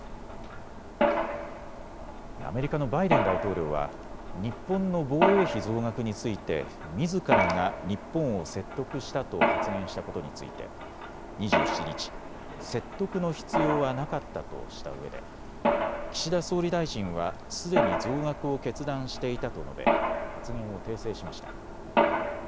アメリカのバイデン大統領は日本の防衛費増額についてみずからが日本を説得したと発言したことについて２７日、説得の必要はなかったとしたうえで岸田総理大臣はすでに増額を決断していたと述べ発言を訂正しました。